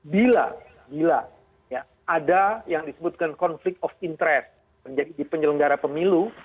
bila bila ada yang disebutkan konflik of interest di penyelenggara pemilu